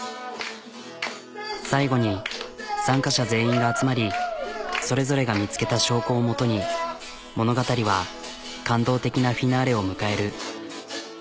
最後に参加者全員が集まりそれぞれが見つけた証拠を基に物語は感動的なフィナーレを迎える。